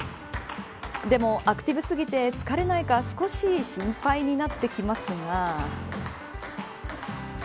でも、アクティブすぎて疲れないか少し心配になってきますが。